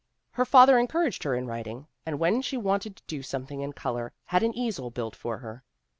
' Her father encouraged her in writing, and when she wanted to do something in color had an easel built for her.